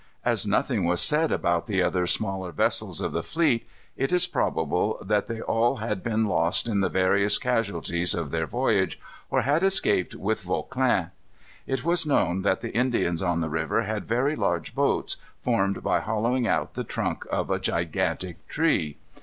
As nothing was said about the other smaller vessels of the fleet, it is probable that they all had been lost in the various casualties of their voyage, or had escaped with Vauclin. It was known that the Indians on the river had very large boats, formed by hollowing out the trunk of a gigantic tree.